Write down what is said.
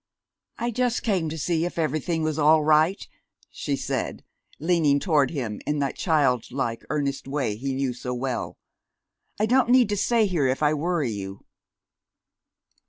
"I just came to see if everything was all right," she said, leaning toward him in that childlike, earnest way he knew so well. "I don't need to stay here if I worry you."